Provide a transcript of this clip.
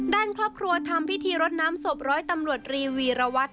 ด้านครอบครัวทำพิธีรดน้ำศพร้อยตำรวจรีวีรวัตร